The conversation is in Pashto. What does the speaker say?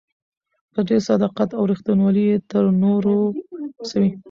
په ډېر صداقت او ريښتينوالۍ يې تر نورو رسوي.